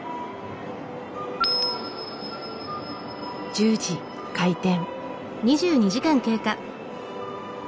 １０時開店。